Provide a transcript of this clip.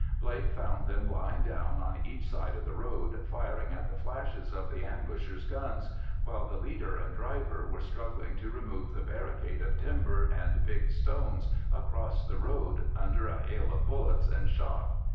Blake found them lying down on each side of the road, firing at the flashes of the ambushers' guns, while the leader and driver were struggling to remove the barricade of timber and big stones across the road under a hail of bullets and shot.